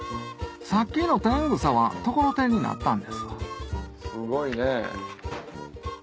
さっきのテングサはところてんになったんですわすごいね。